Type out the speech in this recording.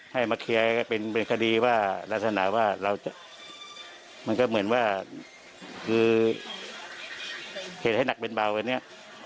ให้มาเคลียร์เป็นคดีว่ารักษณะว่าเราจะมันก็เหมือนว่าคือเหตุให้หนักเป็นเบากันเนี่ย